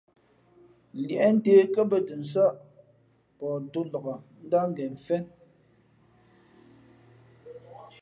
Līēʼ ntě kά bᾱ tα nsά, pαh tō nlak ndáh ngen mfén.